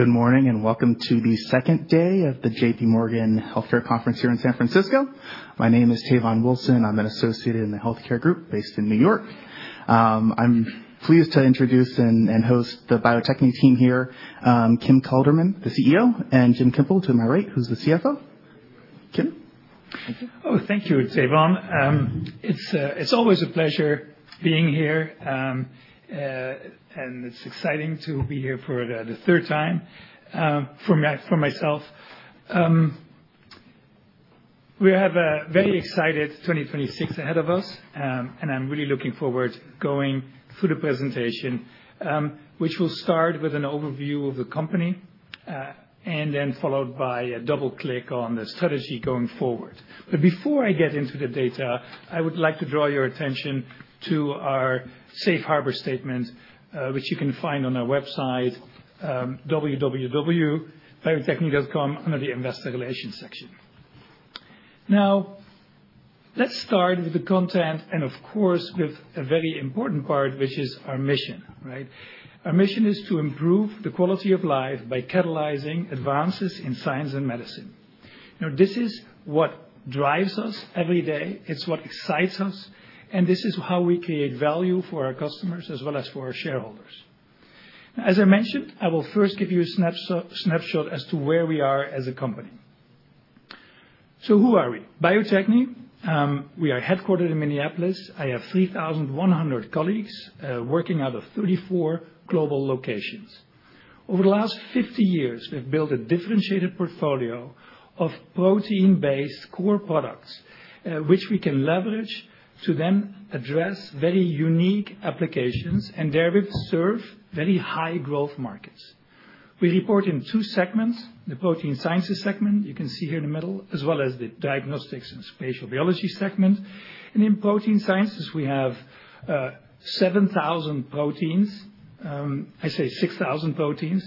Good morning and welcome to the second day of the J.P. Morgan Healthcare Conference here in San Francisco. My name is Tavon Wilson. I'm an associate in the healthcare group based in New York. I'm pleased to introduce and host the Bio-Techne team here: Kim Kelderman, the CEO, and Jim Himpel, to my right, who's the CFO. Kim? Oh, thank you, Tavon. It's always a pleasure being here, and it's exciting to be here for the third time for myself. We have a very exciting 2026 ahead of us, and I'm really looking forward to going through the presentation, which will start with an overview of the company and then followed by a double-click on the strategy going forward. But before I get into the data, I would like to draw your attention to our Safe Harbor statement, which you can find on our website, www.bio-techne.com, under the Investor Relations section. Now, let's start with the content and, of course, with a very important part, which is our mission. Our mission is to improve the quality of life by catalyzing advances in science and medicine. This is what drives us every day. It's what excites us, and this is how we create value for our customers as well as for our shareholders. As I mentioned, I will first give you a snapshot as to where we are as a company. So who are we? Bio-Techne, we are headquartered in Minneapolis. I have 3,100 colleagues working out of 34 global locations. Over the last 50 years, we've built a differentiated portfolio of protein-based core products, which we can leverage to then address very unique applications and therefore serve very high-growth markets. We report in two segments: the protein sciences segment, you can see here in the middle, as well as the diagnostics and spatial biology segment. And in protein sciences, we have 7,000 proteins - I say 6,000 proteins,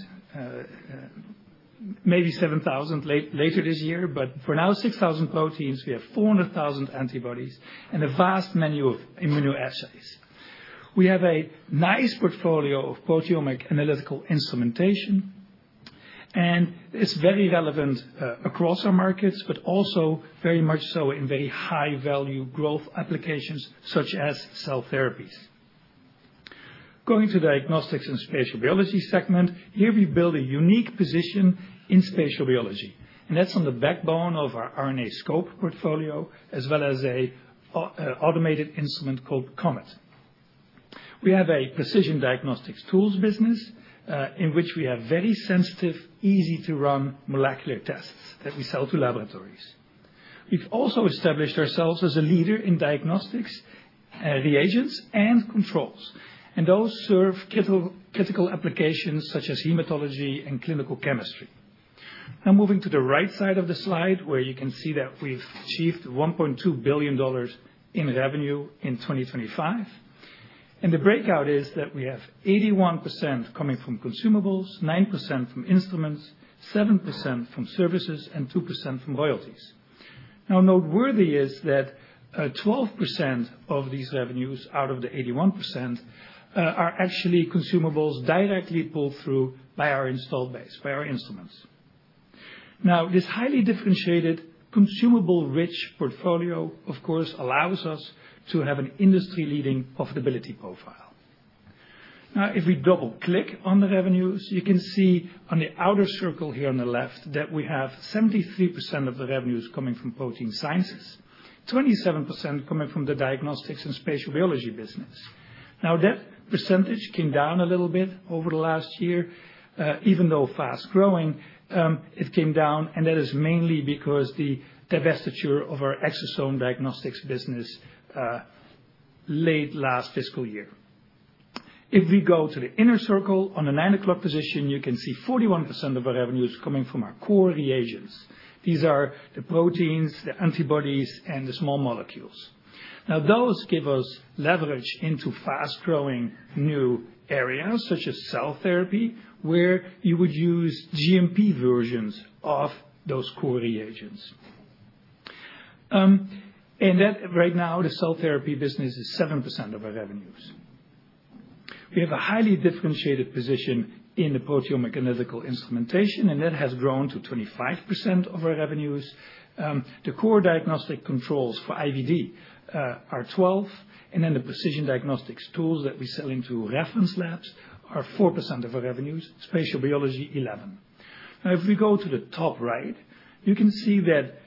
maybe 7,000 later this year - but for now, 6,000 proteins. We have 400,000 antibodies and a vast menu of immunoassays. We have a nice portfolio of proteomic analytical instrumentation, and it's very relevant across our markets, but also very much so in very high-value growth applications such as cell therapies. Going to the diagnostics and spatial biology segment, here we build a unique position in spatial biology, and that's on the backbone of our RNAscope portfolio as well as an automated instrument called COMET. We have a precision diagnostics tools business in which we have very sensitive, easy-to-run molecular tests that we sell to laboratories. We've also established ourselves as a leader in diagnostics, reagents, and controls, and those serve critical applications such as hematology and clinical chemistry. Now, moving to the right side of the slide, where you can see that we've achieved $1.2 billion in revenue in 2025. And the breakout is that we have 81% coming from consumables, 9% from instruments, 7% from services, and 2% from royalties. Now, noteworthy is that 12% of these revenues out of the 81% are actually consumables directly pulled through by our installed base, by our instruments. Now, this highly differentiated consumable-rich portfolio, of course, allows us to have an industry-leading profitability profile. Now, if we double-click on the revenues, you can see on the outer circle here on the left that we have 73% of the revenues coming from protein sciences, 27% coming from the diagnostics and spatial biology business. Now, that percentage came down a little bit over the last year. Even though fast-growing, it came down, and that is mainly because the divestiture of our Exosome Diagnostics business late last fiscal year. If we go to the inner circle on the 9 o'clock position, you can see 41% of our revenues coming from our core reagents. These are the proteins, the antibodies, and the small molecules. Now, those give us leverage into fast-growing new areas such as cell therapy, where you would use GMP versions of those core reagents. And right now, the cell therapy business is 7% of our revenues. We have a highly differentiated position in the proteomic analytical instrumentation, and that has grown to 25% of our revenues. The core diagnostic controls for IVD are 12%, and then the precision diagnostics tools that we sell into reference labs are 4% of our revenues, spatial biology 11%. Now, if we go to the top right, you can see that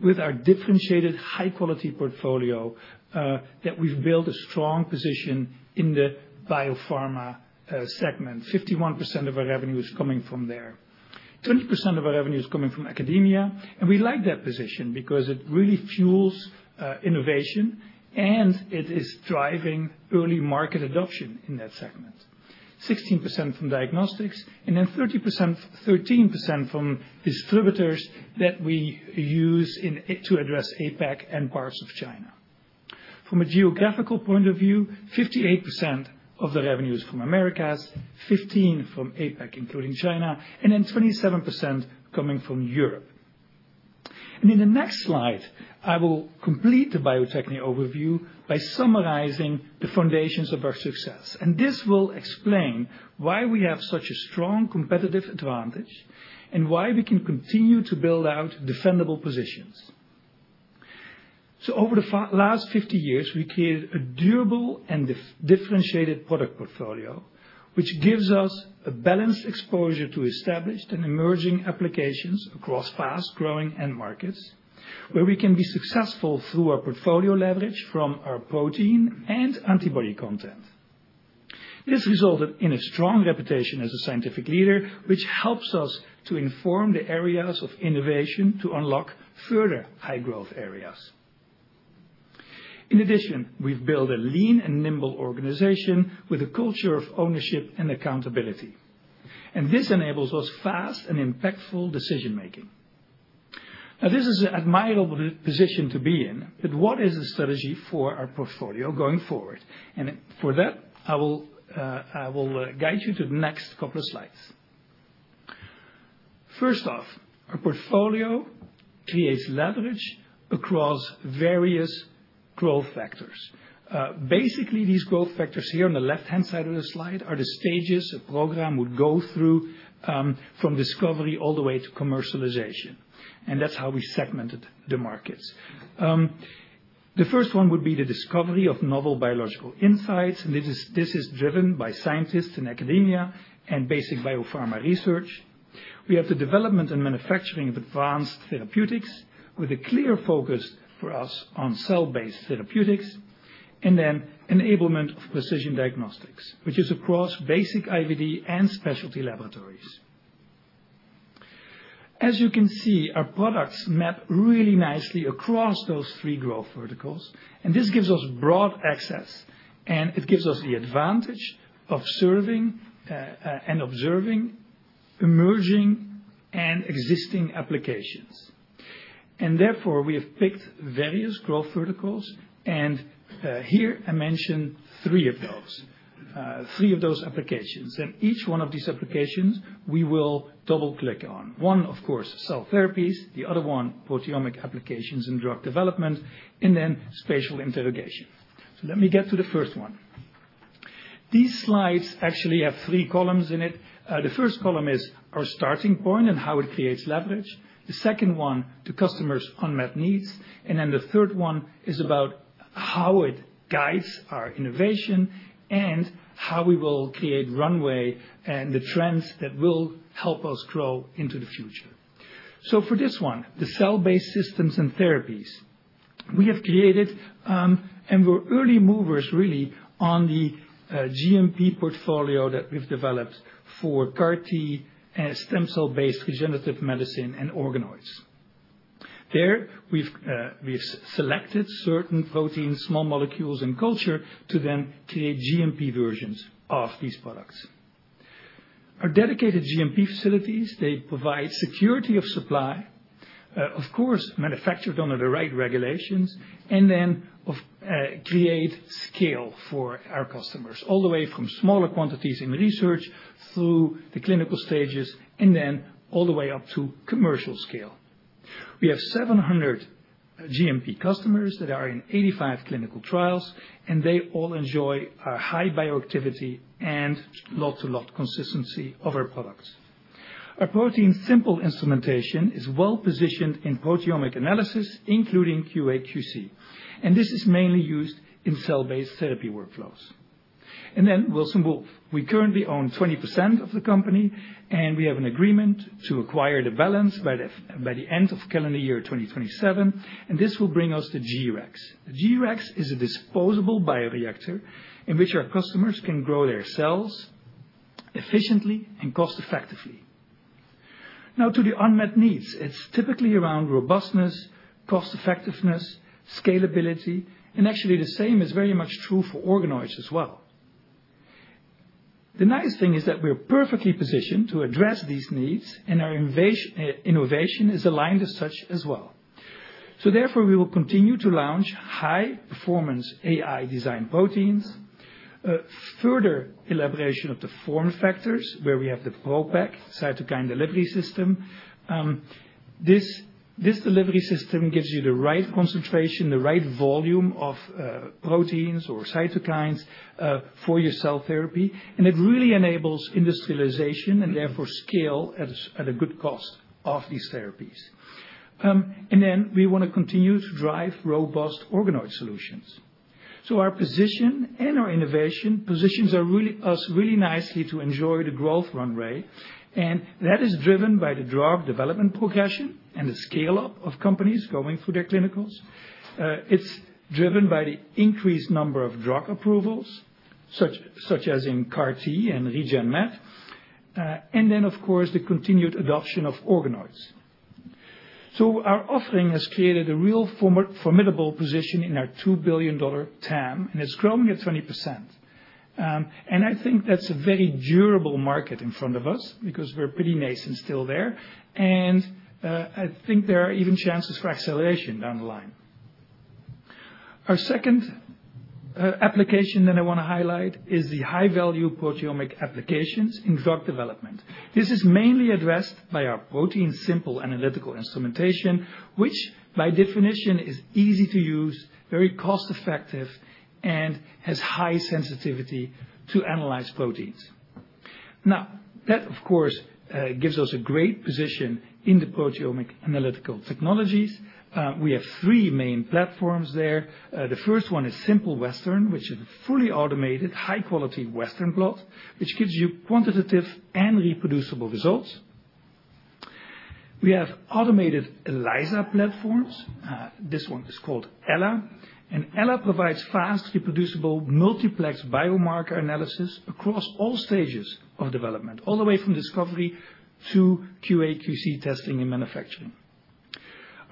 with our differentiated high-quality portfolio, that we've built a strong position in the biopharma segment. 51% of our revenue is coming from there. 20% of our revenue is coming from academia, and we like that position because it really fuels innovation, and it is driving early market adoption in that segment. 16% from diagnostics, and then 13% from distributors that we use to address APAC and parts of China. From a geographical point of view, 58% of the revenue is from Americas, 15% from APAC, including China, and then 27% coming from Europe. And in the next slide, I will complete the Bio-Techne overview by summarizing the foundations of our success. And this will explain why we have such a strong competitive advantage and why we can continue to build out defendable positions. Over the last 50 years, we created a durable and differentiated product portfolio, which gives us a balanced exposure to established and emerging applications across fast-growing end markets, where we can be successful through our portfolio leverage from our protein and antibody content. This resulted in a strong reputation as a scientific leader, which helps us to inform the areas of innovation to unlock further high-growth areas. In addition, we've built a lean and nimble organization with a culture of ownership and accountability. This enables us fast and impactful decision-making. Now, this is an admirable position to be in, but what is the strategy for our portfolio going forward? For that, I will guide you to the next couple of slides. First off, our portfolio creates leverage across various growth factors. Basically, these growth factors here on the left-hand side of the slide are the stages a program would go through from discovery all the way to commercialization, and that's how we segmented the markets. The first one would be the discovery of novel biological insights, and this is driven by scientists in academia and basic biopharma research. We have the development and manufacturing of advanced therapeutics with a clear focus for us on cell-based therapeutics, and then enablement of precision diagnostics, which is across basic IVD and specialty laboratories. As you can see, our products map really nicely across those three growth verticals, and this gives us broad access, and it gives us the advantage of serving and observing emerging and existing applications, and therefore, we have picked various growth verticals, and here I mention three of those, three of those applications. And each one of these applications we will double-click on. One, of course, cell therapies, the other one, proteomic applications and drug development, and then spatial interrogation. So let me get to the first one. These slides actually have three columns in it. The first column is our starting point and how it creates leverage. The second one to customers' unmet needs, and then the third one is about how it guides our innovation and how we will create runway and the trends that will help us grow into the future. So for this one, the cell-based systems and therapies, we have created, and we're early movers really on the GMP portfolio that we've developed for CAR-T and stem cell-based regenerative medicine and organoids. There we've selected certain proteins, small molecules, and culture to then create GMP versions of these products. Our dedicated GMP facilities, they provide security of supply, of course, manufactured under the right regulations, and then create scale for our customers, all the way from smaller quantities in research through the clinical stages and then all the way up to commercial scale. We have 700 GMP customers that are in 85 clinical trials, and they all enjoy our high bioactivity and lot-to-lot consistency of our products. Our ProteinSimple instrumentation is well-positioned in proteomic analysis, including QA/QC, and this is mainly used in cell-based therapy workflows. And then Wilson Wolf. We currently own 20% of the company, and we have an agreement to acquire the balance by the end of calendar year 2027, and this will bring us to G-Rex. G-Rex is a disposable bioreactor in which our customers can grow their cells efficiently and cost-effectively. Now, to the unmet needs, it's typically around robustness, cost-effectiveness, scalability, and actually the same is very much true for organoids as well. The nice thing is that we're perfectly positioned to address these needs, and our innovation is aligned as such as well. So therefore, we will continue to launch high-performance AI-designed proteins, further elaboration of the form factors where we have the ProPak cytokine delivery system. This delivery system gives you the right concentration, the right volume of proteins or cytokines for your cell therapy, and it really enables industrialization and therefore scale at a good cost of these therapies. And then we want to continue to drive robust organoid solutions. So our position and our innovation positions us really nicely to enjoy the growth runway, and that is driven by the drug development progression and the scale-up of companies going through their clinicals. It's driven by the increased number of drug approvals, such as in CAR-T and RegenMed, and then, of course, the continued adoption of organoids, so our offering has created a real formidable position in our $2 billion TAM, and it's growing at 20%, and I think that's a very durable market in front of us because we're pretty nascent still there, and I think there are even chances for acceleration down the line. Our second application that I want to highlight is the high-value proteomic applications in drug development. This is mainly addressed by our ProteinSimple analytical instrumentation, which by definition is easy to use, very cost-effective, and has high sensitivity to analyzed proteins. Now, that, of course, gives us a great position in the proteomic analytical technologies. We have three main platforms there. The first one is Simple Western, which is a fully automated high-quality Western blot, which gives you quantitative and reproducible results. We have automated ELISA platforms. This one is called Ella, and Ella provides fast, reproducible multiplex biomarker analysis across all stages of development, all the way from discovery to QA/QC testing and manufacturing.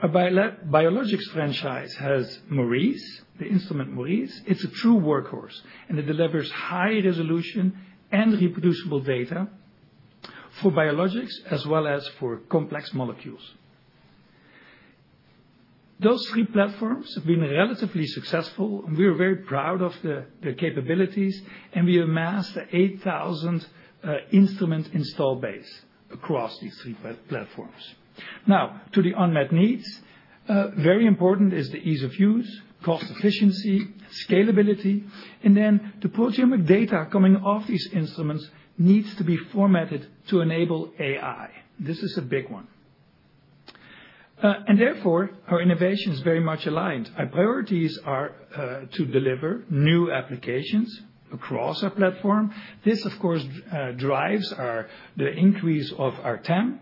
Our biologics franchise has Maurice, the instrument Maurice. It's a true workhorse, and it delivers high-resolution and reproducible data for biologics as well as for complex molecules. Those three platforms have been relatively successful, and we are very proud of the capabilities, and we amassed an 8,000-instrument install base across these three platforms. Now, to the unmet needs, very important is the ease of use, cost efficiency, scalability, and then the proteomic data coming off these instruments needs to be formatted to enable AI. This is a big one. Therefore, our innovation is very much aligned. Our priorities are to deliver new applications across our platform. This, of course, drives the increase of our TAM.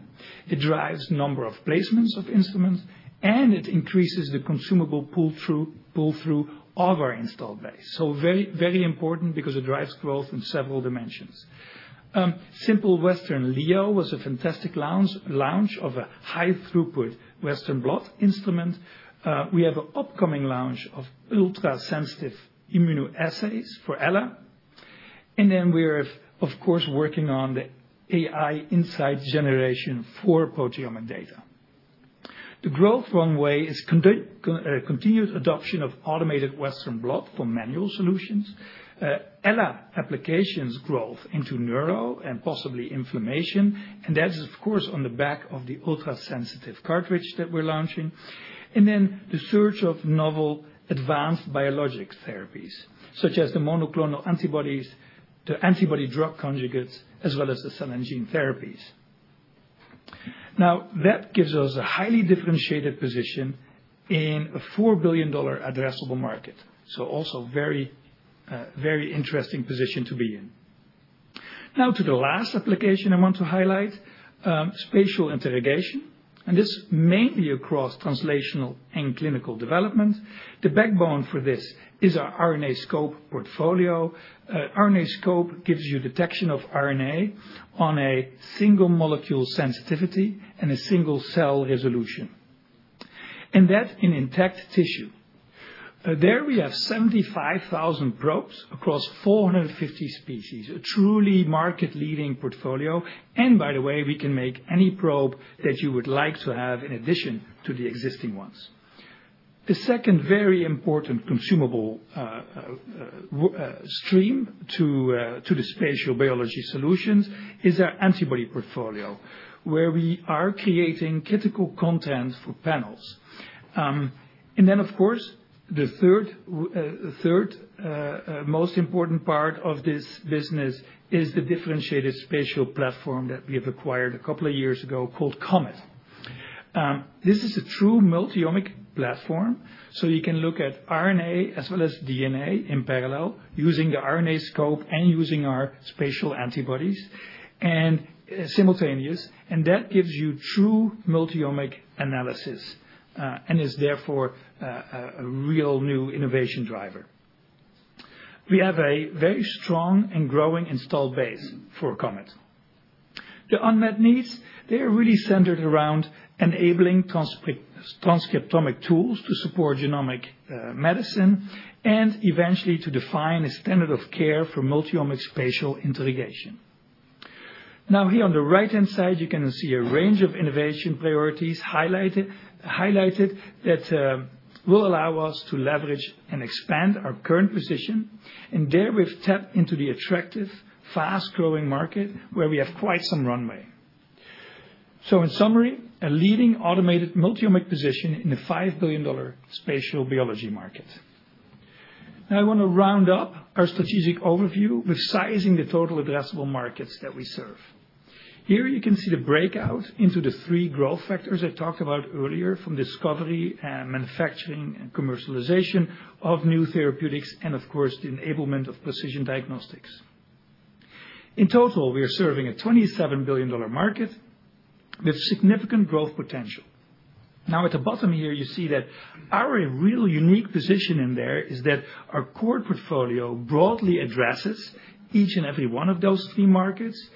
It drives the number of placements of instruments, and it increases the consumable pull-through of our install base. Very important because it drives growth in several dimensions. Simple Western Leo was a fantastic launch of a high-throughput Western blot instrument. We have an upcoming launch of ultra-sensitive immunoassays for Ella, and then we're, of course, working on the AI insight generation for proteomic data. The growth runway is continued adoption of automated Western blot for manual solutions. Ella applications growth into neuro and possibly inflammation, and that is, of course, on the back of the ultra-sensitive cartridge that we're launching. And then the search of novel advanced biologic therapies, such as the monoclonal antibodies, the antibody drug conjugates, as well as the cell and gene therapies. Now, that gives us a highly differentiated position in a $4 billion addressable market. So also very, very interesting position to be in. Now, to the last application I want to highlight, spatial interrogation, and this mainly across translational and clinical development. The backbone for this is our RNAscope portfolio. RNAscope gives you detection of RNA on a single molecule sensitivity and a single cell resolution. And that in intact tissue. There we have 75,000 probes across 450 species, a truly market-leading portfolio. And by the way, we can make any probe that you would like to have in addition to the existing ones. The second very important consumable stream to the spatial biology solutions is our antibody portfolio, where we are creating critical content for panels. And then, of course, the third most important part of this business is the differentiated spatial platform that we have acquired a couple of years ago called COMET. This is a true multi-omic platform, so you can look at RNA as well as DNA in parallel using the RNAscope and using our spatial antibodies simultaneously, and that gives you true multi-omic analysis and is therefore a real new innovation driver. We have a very strong and growing installed base for COMET. The unmet needs, they are really centered around enabling transcriptomic tools to support genomic medicine and eventually to define a standard of care for multi-omic spatial interrogation. Now, here on the right-hand side, you can see a range of innovation priorities highlighted that will allow us to leverage and expand our current position, and there we've tapped into the attractive, fast-growing market where we have quite some runway, so in summary, a leading automated multi-omic position in the $5 billion spatial biology market. Now, I want to round up our strategic overview with sizing the total addressable markets that we serve. Here you can see the breakout into the three growth factors I talked about earlier from discovery, manufacturing, and commercialization of new therapeutics, and of course, the enablement of precision diagnostics. In total, we are serving a $27 billion market with significant growth potential. Now, at the bottom here, you see that our real unique position in there is that our core portfolio broadly addresses each and every one of those three markets,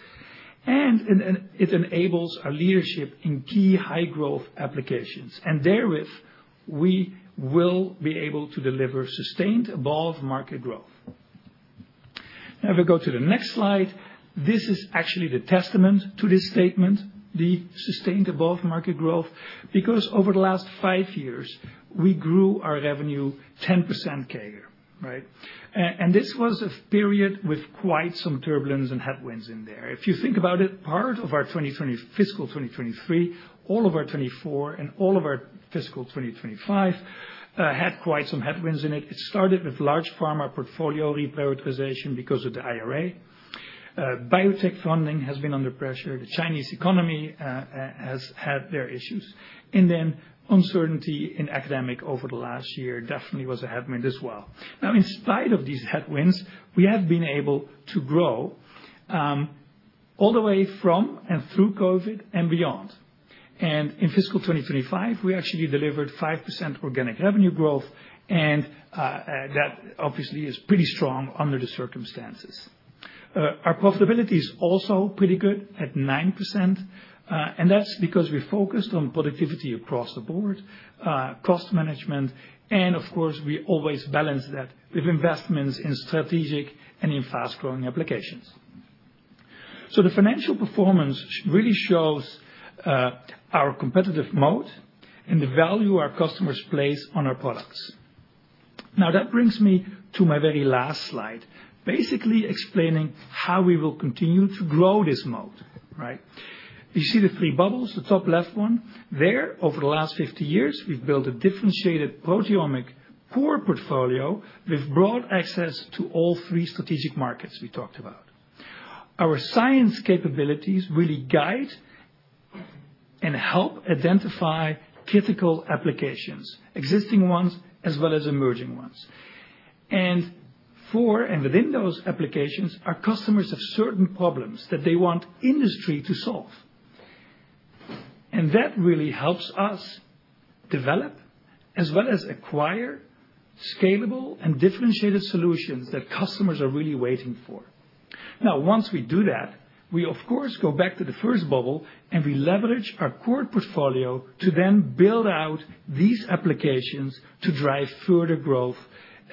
and it enables our leadership in key high-growth applications. And therewith, we will be able to deliver sustained above-market growth. Now, if we go to the next slide, this is actually the testament to this statement, the sustained above-market growth, because over the last five years, we grew our revenue 10% CAGR, right? And this was a period with quite some turbulence and headwinds in there. If you think about it, part of our fiscal 2023, all of our 2024, and all of our fiscal 2025 had quite some headwinds in it. It started with large pharma portfolio reprioritization because of the IRA. Biotech funding has been under pressure. The Chinese economy has had their issues. And then uncertainty in academic over the last year definitely was a headwind as well. Now, in spite of these headwinds, we have been able to grow all the way from and through COVID and beyond. And in fiscal 2025, we actually delivered 5% organic revenue growth, and that obviously is pretty strong under the circumstances. Our profitability is also pretty good at 9%, and that's because we focused on productivity across the board, cost management, and of course, we always balance that with investments in strategic and in fast-growing applications. So the financial performance really shows our competitive moat and the value our customers place on our products. Now, that brings me to my very last slide, basically explaining how we will continue to grow this moat, right? You see the three bubbles, the top left one. Over the last 50 years, we've built a differentiated proteomic core portfolio with broad access to all three strategic markets we talked about. Our science capabilities really guide and help identify critical applications, existing ones as well as emerging ones, and for and within those applications, our customers have certain problems that they want industry to solve. And that really helps us develop as well as acquire scalable and differentiated solutions that customers are really waiting for. Now, once we do that, we, of course, go back to the first bubble, and we leverage our core portfolio to then build out these applications to drive further growth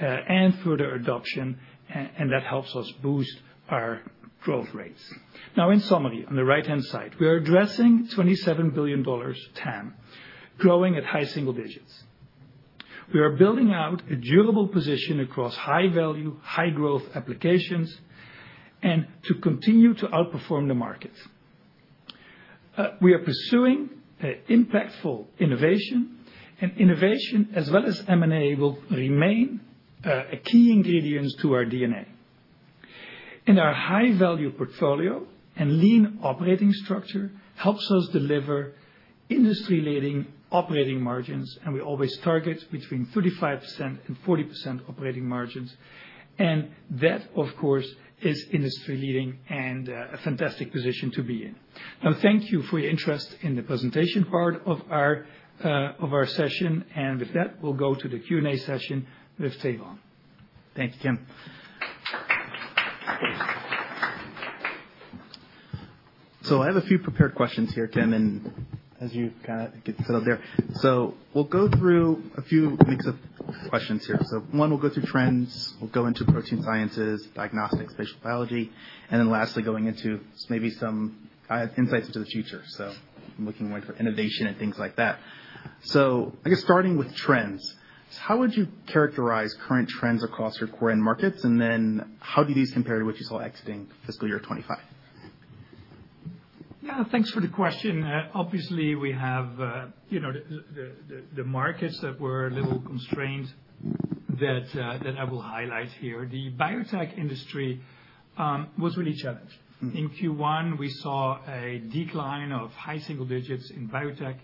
and further adoption, and that helps us boost our growth rates. Now, in summary, on the right-hand side, we are addressing $27 billion TAM, growing at high single digits. We are building out a durable position across high-value, high-growth applications and to continue to outperform the market. We are pursuing impactful innovation, and innovation as well as M&A will remain a key ingredient to our DNA. Our high-value portfolio and lean operating structure helps us deliver industry-leading operating margins, and we always target between 35% and 40% operating margins, and that, of course, is industry-leading and a fantastic position to be in. Now, thank you for your interest in the presentation part of our session, and with that, we'll go to the Q&A session with Tavon. Thank you, Kim. So I have a few prepared questions here, Kim, and as you kind of get settled there. So we'll go through a few mix of questions here. So one, we'll go through trends. We'll go into protein sciences, diagnostics, spatial biology, and then lastly, going into maybe some insights into the future. So I'm looking for innovation and things like that. So I guess starting with trends, how would you characterize current trends across your core and markets, and then how do these compare to what you saw exiting fiscal year 2025? Yeah, thanks for the question. Obviously, we have the markets that were a little constrained that I will highlight here. The biotech industry was really challenged. In Q1, we saw a decline of high single digits in biotech,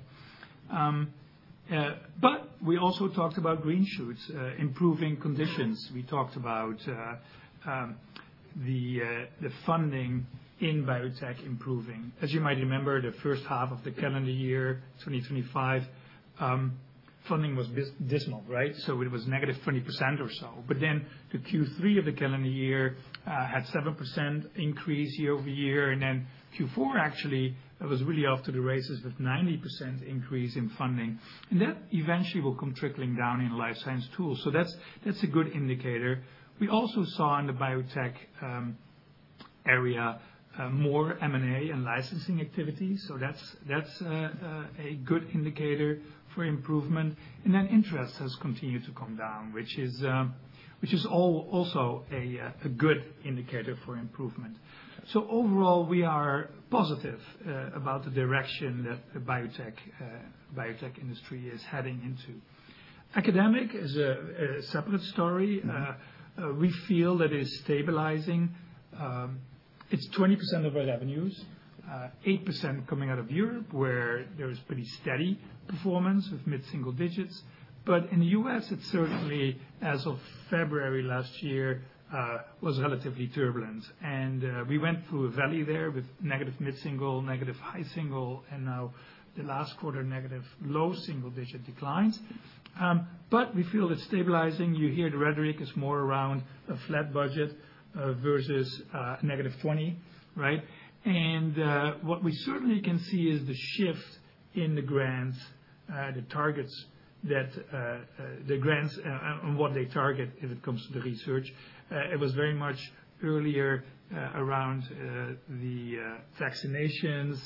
but we also talked about green shoots, improving conditions. We talked about the funding in biotech improving. As you might remember, the first half of the calendar year, 2025, funding was dismal, right, so it was negative 20% or so. But then the Q3 of the calendar year had 7% increase year over year, and then Q4 actually was really off to the races with 90% increase in funding, and that eventually will come trickling down in life science tools, so that's a good indicator. We also saw in the biotech area more M&A and licensing activity, so that's a good indicator for improvement. Interest has continued to come down, which is also a good indicator for improvement. So overall, we are positive about the direction that the biotech industry is heading into. Academic is a separate story. We feel that it is stabilizing. It's 20% of our revenues, 8% coming out of Europe, where there is pretty steady performance with mid-single digits. But in the US, it certainly, as of February last year, was relatively turbulent. And we went through a valley there with negative mid-single, negative high single, and now the last quarter, negative low single digit declines. But we feel it's stabilizing. You hear the rhetoric is more around a flat budget versus negative 20%, right? And what we certainly can see is the shift in the grants, the targets that the grants and what they target if it comes to the research. It was very much earlier around the vaccinations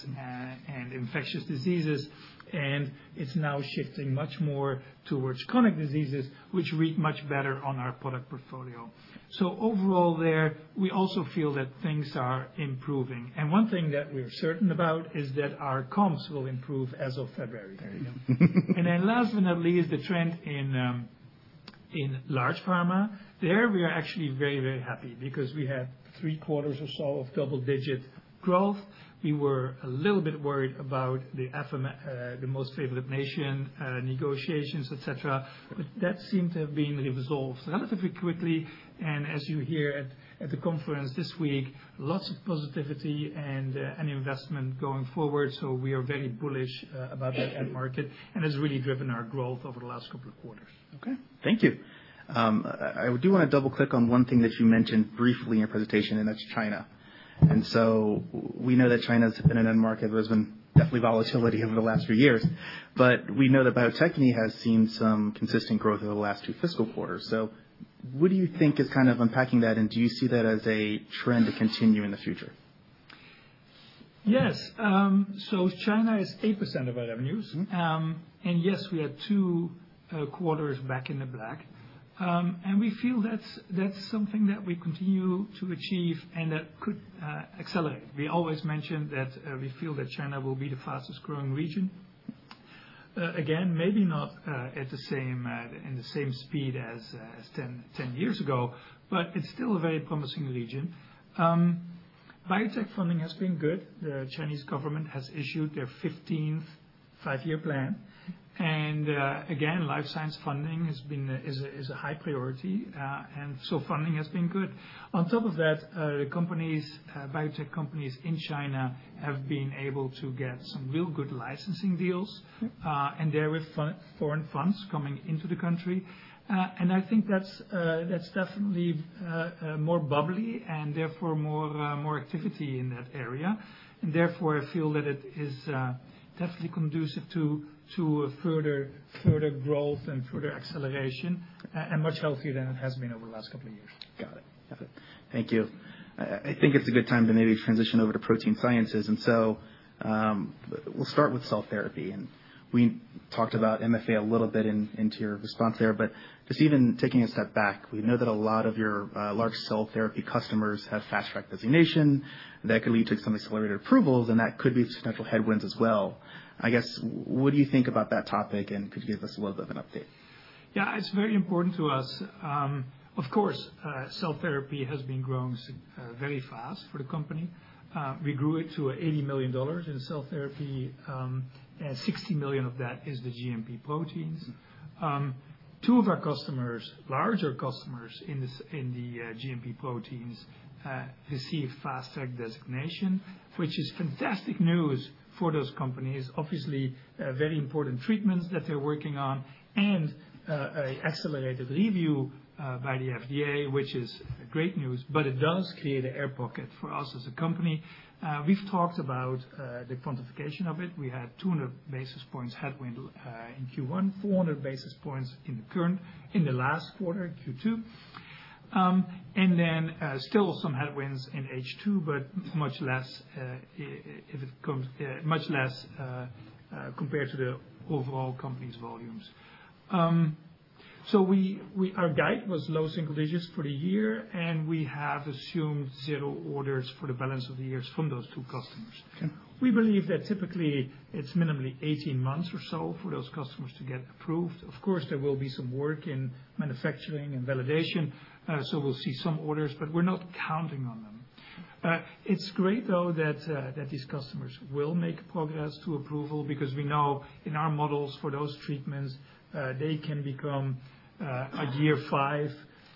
and infectious diseases, and it's now shifting much more towards chronic diseases, which read much better on our product portfolio, so overall there, we also feel that things are improving, and one thing that we are certain about is that our comps will improve as of February, and then last but not least, the trend in large pharma, there we are actually very, very happy because we had three quarters or so of double-digit growth, we were a little bit worried about the most favored nation negotiations, etc., but that seemed to have been resolved relatively quickly, and as you hear at the conference this week, lots of positivity and investment going forward, so we are very bullish about that end market, and it's really driven our growth over the last couple of quarters. Okay. Thank you. I do want to double-click on one thing that you mentioned briefly in your presentation, and that's China. And so we know that China has been an end market. There has been definitely volatility over the last few years, but we know that biotech has seen some consistent growth over the last two fiscal quarters. So what do you think is kind of unpacking that, and do you see that as a trend to continue in the future? Yes. So China is 8% of our revenues. And yes, we had two quarters back in the black, and we feel that's something that we continue to achieve and that could accelerate. We always mentioned that we feel that China will be the fastest-growing region. Again, maybe not at the same speed as 10 years ago, but it's still a very promising region. Biotech funding has been good. The Chinese government has issued their 15th five-year plan. And again, life science funding is a high priority, and so funding has been good. On top of that, the biotech companies in China have been able to get some real good licensing deals and therewith foreign funds coming into the country. And I think that's definitely more bubbly and therefore more activity in that area. Therefore, I feel that it is definitely conducive to further growth and further acceleration and much healthier than it has been over the last couple of years. Got it. Got it. Thank you. I think it's a good time to maybe transition over to protein sciences. And so we'll start with cell therapy. And we talked about FDA a little bit into your response there, but just even taking a step back, we know that a lot of your large cell therapy customers have fast-track designation that could lead to some accelerated approvals, and that could be substantial headwinds as well. I guess, what do you think about that topic, and could you give us a little bit of an update? Yeah, it's very important to us. Of course, cell therapy has been growing very fast for the company. We grew it to $80 million in cell therapy, and $60 million of that is the GMP proteins. Two of our customers, larger customers in the GMP proteins, received fast-track designation, which is fantastic news for those companies. Obviously, very important treatments that they're working on and accelerated review by the FDA, which is great news, but it does create an air pocket for us as a company. We've talked about the quantification of it. We had 200 basis points headwind in Q1, 400 basis points in the current, the last quarter, Q2. And then still some headwinds in H2, but much less if it comes much less compared to the overall company's volumes. So our guide was low single digits for the year, and we have assumed zero orders for the balance of the years from those two customers. We believe that typically it's minimally 18 months or so for those customers to get approved. Of course, there will be some work in manufacturing and validation, so we'll see some orders, but we're not counting on them. It's great, though, that these customers will make progress to approval because we know in our models for those treatments, they can become a year five,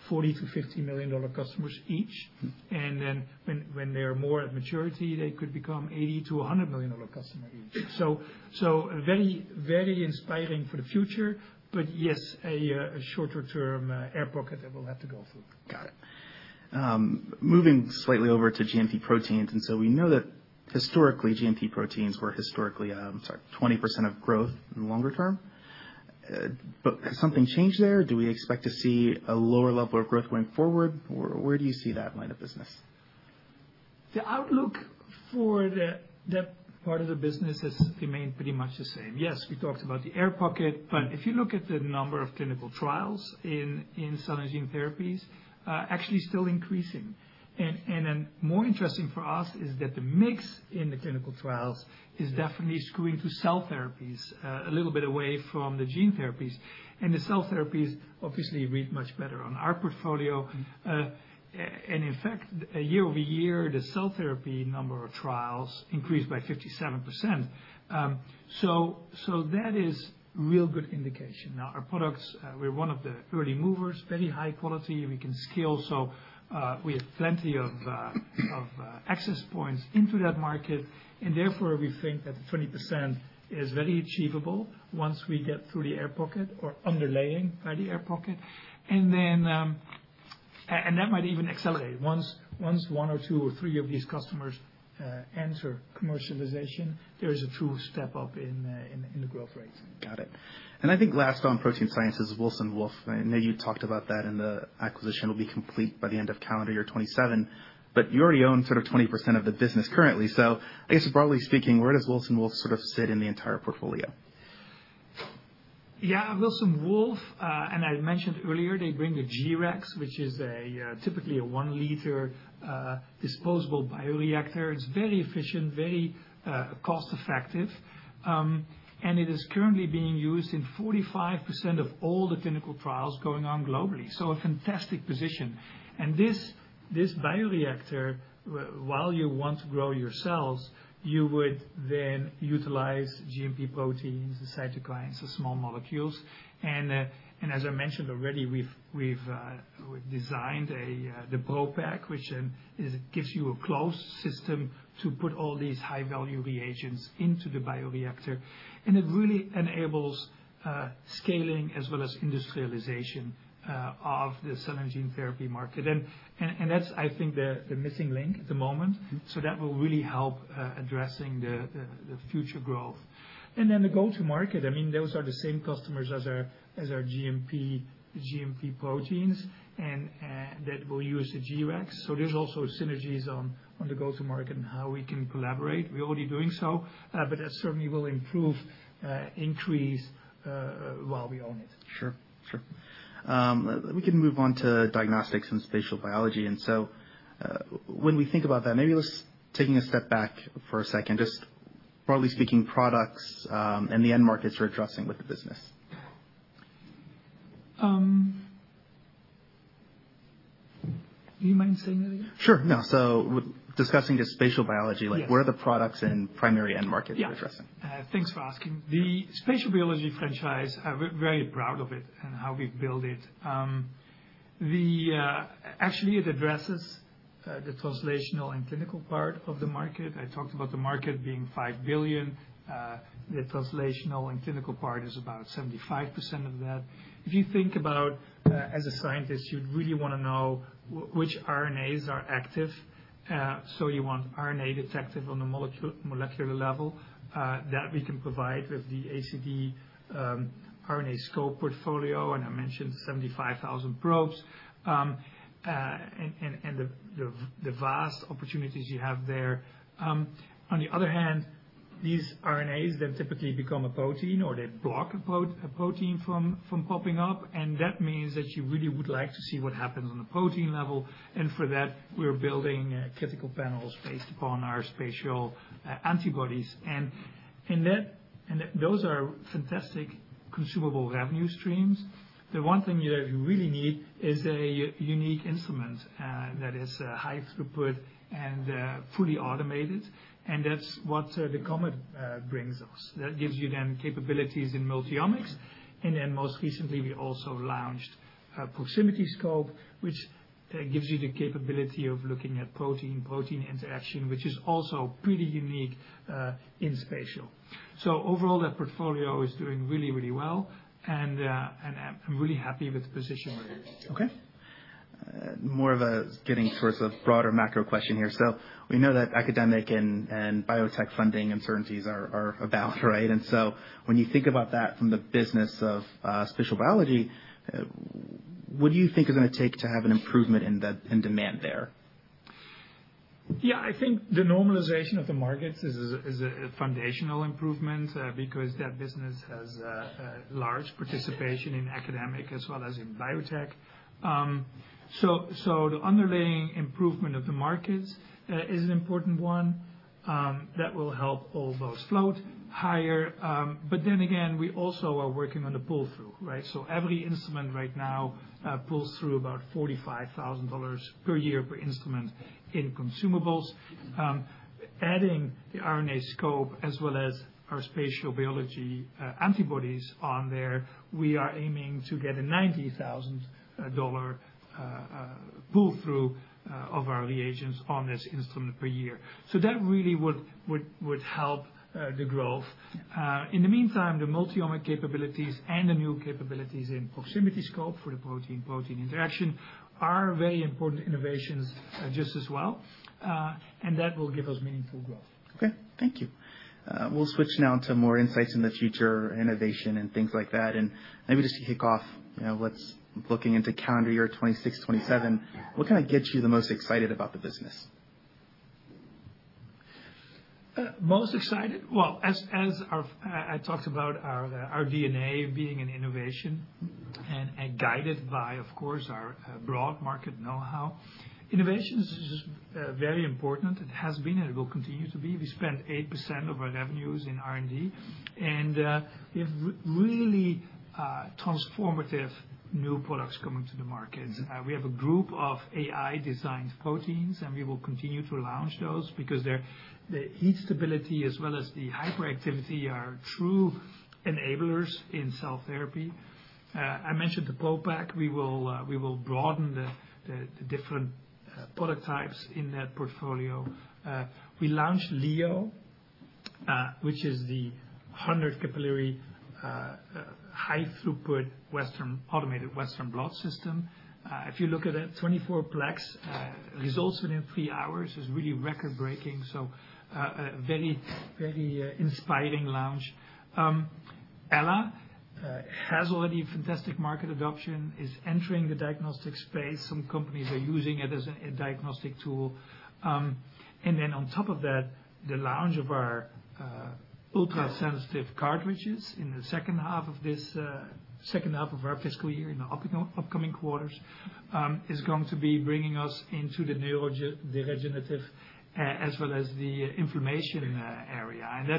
$40–$50 million customers each. And then when they're more at maturity, they could become $80–$100 million customers each. So very, very inspiring for the future, but yes, a shorter-term air pocket that we'll have to go through. Got it. Moving slightly over to GMP proteins. And so we know that historically, GMP proteins were historically, sorry, 20% of growth in the longer term. But has something changed there? Do we expect to see a lower level of growth going forward, or where do you see that line of business? The outlook for that part of the business has remained pretty much the same. Yes, we talked about the air pocket, but if you look at the number of clinical trials in cell and gene therapies, actually, still increasing, and then more interesting for us is that the mix in the clinical trials is definitely skewing to cell therapies a little bit away from the gene therapies, and the cell therapies obviously read much better on our portfolio, and in fact, year over year, the cell therapy number of trials increased by 57%, so that is a real good indication. Now, our products, we're one of the early movers, very high quality. We can scale, so we have plenty of access points into that market, and therefore, we think that the 20% is very achievable once we get through the air pocket or underlying the air pocket. That might even accelerate. Once one or two or three of these customers enter commercialization, there is a true step up in the growth rate. Got it. And I think last on protein science is Wilson Wolf. I know you talked about that and the acquisition will be complete by the end of calendar year 2027, but you already own sort of 20% of the business currently. So I guess broadly speaking, where does Wilson Wolf sort of sit in the entire portfolio? Yeah, Wilson Wolf, and I mentioned earlier, they bring the G-Rex, which is typically a one-liter disposable bioreactor. It's very efficient, very cost-effective, and it is currently being used in 45% of all the clinical trials going on globally. So a fantastic position. And this bioreactor, while you want to grow your cells, you would then utilize GMP proteins, the cytokines, the small molecules. And as I mentioned already, we've designed the ProPak, which gives you a closed system to put all these high-value reagents into the bioreactor. And it really enables scaling as well as industrialization of the cell and gene therapy market. And that's, I think, the missing link at the moment. So that will really help addressing the future growth. And then the go-to-market, I mean, those are the same customers as our GMP proteins and that will use the G-Rex. So there's also synergies on the go-to-market and how we can collaborate. We're already doing so, but that certainly will improve, increase while we own it. Sure. Sure. We can move on to diagnostics and spatial biology. And so when we think about that, maybe let's take a step back for a second, just broadly speaking, products and the end markets you're addressing with the business. Do you mind saying that again? Sure. No. So, discussing the spatial biology, where are the products and primary end markets you're addressing? Yeah. Thanks for asking. The spatial biology franchise, I'm very proud of it and how we've built it. Actually, it addresses the translational and clinical part of the market. I talked about the market being $5 billion. The translational and clinical part is about 75% of that. If you think about, as a scientist, you'd really want to know which RNAs are active. So you want RNA detection on the molecular level that we can provide with the ACD RNAscope portfolio, and I mentioned 75,000 probes and the vast opportunities you have there. On the other hand, these RNAs, they typically become a protein or they block a protein from popping up, and that means that you really would like to see what happens on the protein level, and for that, we're building critical panels based upon our spatial antibodies, and those are fantastic consumable revenue streams. The one thing you really need is a unique instrument that is high throughput and fully automated. And that's what the COMET brings us. That gives you then capabilities in multi-omics. And then most recently, we also launched an RNAscope, which gives you the capability of looking at protein-protein interaction, which is also pretty unique in spatial. So overall, that portfolio is doing really, really well. And I'm really happy with the position we're in. Okay. More of a getting towards a broader macro question here. So we know that academic and biotech funding uncertainties are about, right? And so when you think about that from the business of spatial biology, what do you think is going to take to have an improvement in demand there? Yeah, I think the normalization of the markets is a foundational improvement because that business has large participation in academic as well as in biotech. So the underlying improvement of the markets is an important one that will help all those float higher. But then again, we also are working on the pull-through, right? So every instrument right now pulls through about $45,000 per year per instrument in consumables. Adding the RNAscope as well as our spatial biology antibodies on there, we are aiming to get a $90,000 pull-through of our reagents on this instrument per year. So that really would help the growth. In the meantime, the multi-omic capabilities and the new capabilities in proximity scope for the protein-protein interaction are very important innovations just as well. And that will give us meaningful growth. Okay. Thank you. We'll switch now to more insights in the future, innovation, and things like that. And maybe just to kick off, let's look into calendar year 2026, 2027. What kind of gets you the most excited about the business? Most excited? Well, as I talked about, our DNA being an innovation and guided by, of course, our broad market know-how. Innovation is very important. It has been and it will continue to be. We spend 8% of our revenues in R&D, and we have really transformative new products coming to the market. We have a group of AI-designed proteins, and we will continue to launch those because their heat stability as well as the hyperactivity are true enablers in cell therapy. I mentioned the ProPak. We will broaden the different prototypes in that portfolio. We launched Leo, which is the 100 capillary high-throughput automated Western blot system. If you look at that, 24 plex results within three hours is really record-breaking, so a very, very inspiring launch. Ella has already fantastic market adoption, is entering the diagnostic space. Some companies are using it as a diagnostic tool. And then on top of that, the launch of our ultra-sensitive cartridges in the second half of this second half of our fiscal year in the upcoming quarters is going to be bringing us into the neurodegenerative as well as the inflammation area. And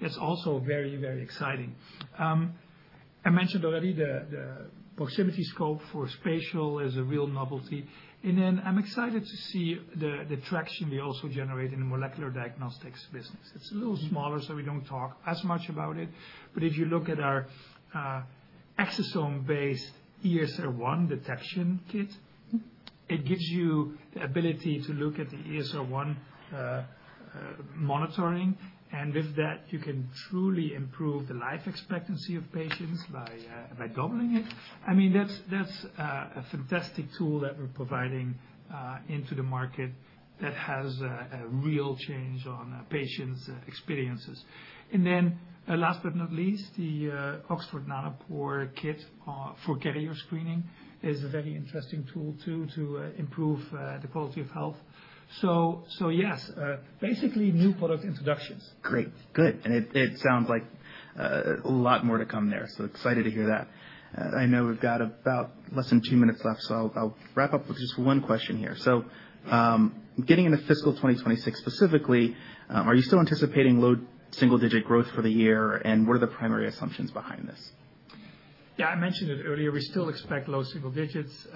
that's also very, very exciting. I mentioned already the RNAscope for spatial is a real novelty. And then I'm excited to see the traction we also generate in the molecular diagnostics business. It's a little smaller, so we don't talk as much about it. But if you look at our exosome-based ESR1 detection kit, it gives you the ability to look at the ESR1 monitoring. And with that, you can truly improve the life expectancy of patients by doubling it. I mean, that's a fantastic tool that we're providing into the market that has a real change on patients' experiences. And then last but not least, the Oxford Nanopore kit for carrier screening is a very interesting tool too to improve the quality of health. So yes, basically new product introductions. Great. Good. And it sounds like a lot more to come there. So excited to hear that. I know we've got about less than two minutes left, so I'll wrap up with just one question here. So getting into fiscal 2026 specifically, are you still anticipating low single-digit growth for the year? And what are the primary assumptions behind this? Yeah, I mentioned it earlier. We still expect low single digits.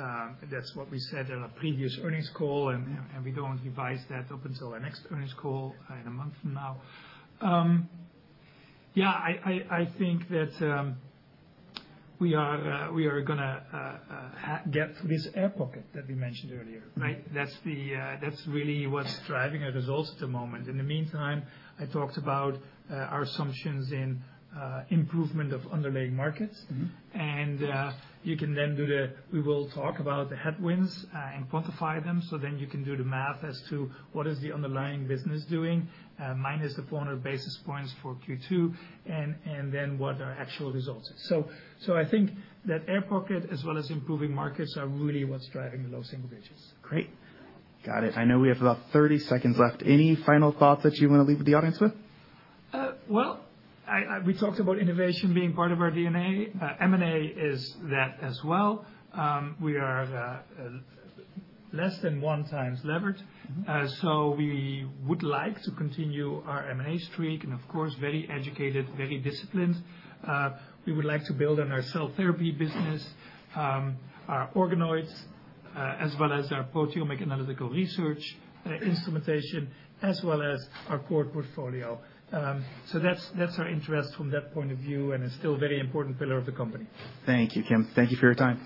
That's what we said in our previous earnings call. And we don't revise that up until our next earnings call in a month from now. Yeah, I think that we are going to get through this air pocket that we mentioned earlier, right? That's really what's driving our results at the moment. In the meantime, I talked about our assumptions in improvement of underlying markets. And you can then do the math. We will talk about the headwinds and quantify them. So then you can do the math as to what is the underlying business doing minus the 400 basis points for Q2 and then what our actual result is. So I think that air pocket as well as improving markets are really what's driving the low single digits. Great. Got it. I know we have about 30 seconds left. Any final thoughts that you want to leave with the audience? We talked about innovation being part of our DNA. M&A is that as well. We are less than one times levered. We would like to continue our M&A streak and, of course, very educated, very disciplined. We would like to build on our cell therapy business, our organoids, as well as our proteomic analytical research instrumentation, as well as our core portfolio. That's our interest from that point of view and is still a very important pillar of the company. Thank you, Kim. Thank you for your time.